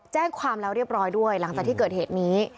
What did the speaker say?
แจ้งความแล้วเรียบร้อยด้วยหลังจากที่เกิดเหตุนี้